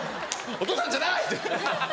お父さんじゃない！」。